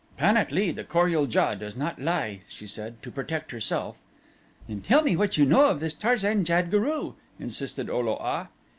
"Pan at lee, the Kor ul JA does not lie," she said, "to protect herself." "Then tell me what you know of this Tarzan jad guru," insisted O lo a.